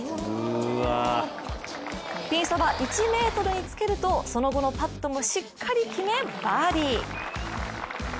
ピンそば１ｍにつけるとその後のパットもしっかり決めバーディー。